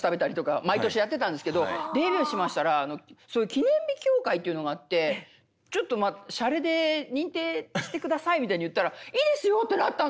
毎年やってたんですけどデビューしましたらそういう記念日協会っていうのがあってちょっとしゃれで認定して下さいみたいに言ったらいいですよってなったの。